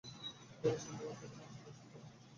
স্বদেশী আন্দোলনে তার গান ছিল অসীম প্রেরণার উৎসস্থল।